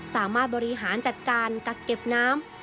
สามารถบริหารจัดการกักเก็บน้ำ